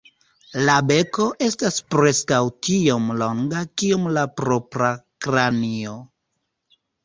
La beko estas preskaŭ tiom longa kiom la propra kranio.